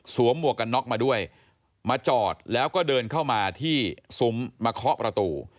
หมวกกันน็อกมาด้วยมาจอดแล้วก็เดินเข้ามาที่ซุ้มมาเคาะประตู